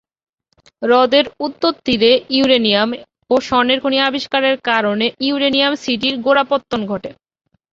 হ্রদের উত্তর তীরে ইউরেনিয়াম ও স্বর্ণের খনি আবিষ্কারের কারণে ইউরেনিয়াম সিটির গোড়াপত্তন ঘটে।